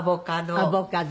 アボカド。